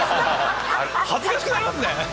恥ずかしくなりますね。